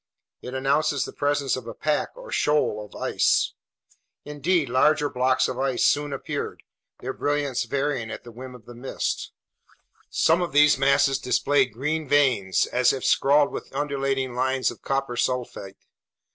It announces the presence of a pack, or shoal, of ice. Indeed, larger blocks of ice soon appeared, their brilliance varying at the whim of the mists. Some of these masses displayed green veins, as if scrawled with undulating lines of copper sulfate.